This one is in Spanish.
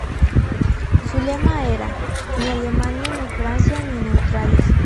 Su lema era: "Ni Alemania ni Francia ni neutrales".